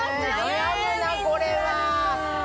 悩むなこれは。